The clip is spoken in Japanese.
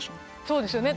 そうですよね。